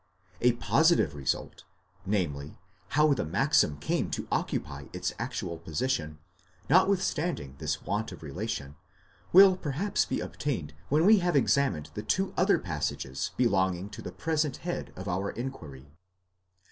A positive result,— namely, how the maxim came to occupy its actual position, notwithstanding this want of relation, will perhaps be obtained when we have examined the two other passages belonging to the present head of our inquiry.